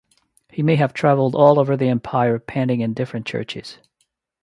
He may have traveled all over the empire painting in different churches.